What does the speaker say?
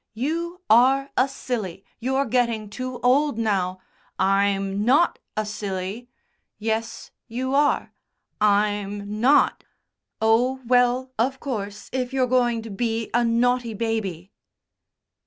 "You are a silly! You're getting too old now " "I'm not a silly!" "Yes, you are." "I'm not!" "Oh, well, of course, if you're going to be a naughty baby."